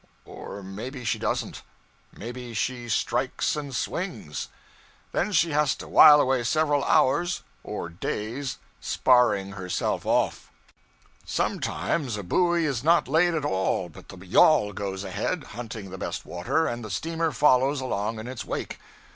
Or maybe she doesn't; maybe she 'strikes and swings.' Then she has to while away several hours (or days) sparring herself off. Sometimes a buoy is not laid at all, but the yawl goes ahead, hunting the best water, and the steamer follows along in its wake.